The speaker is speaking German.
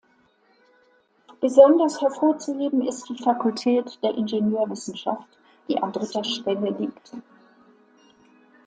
Besonders hervorzuheben ist die Fakultät der Ingenieurwissenschaft, die an dritter Stelle liegt.